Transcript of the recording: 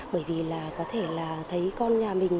bởi vì là có thể là thấy con nhà mình